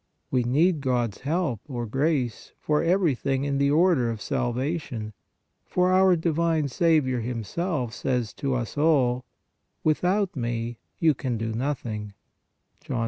We need God s help, or grace, for everything in the order of salvation, for our divine Saviour Himself says to us all :" Without Me you can do nothing " (John 15.